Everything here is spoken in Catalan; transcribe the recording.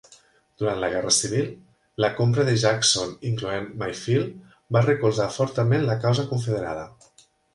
Durant la Guerra Civil, la compra de Jackson incloent Mayfield va recolzar fortament la causa confederada.